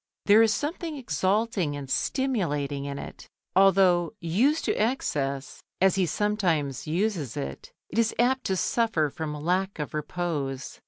There is something exalting and stimulating in it, although, used to excess as he sometimes uses it, it is apt to suffer from lack of repose.